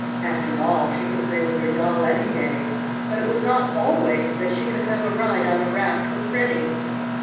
After all she could play with her doll any day, but it was not always that she could have a ride on a raft with Freddie.